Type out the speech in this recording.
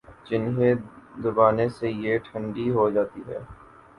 ۔ جنہیں دبانے سے یہ ٹھنڈی ہوجاتے ہیں۔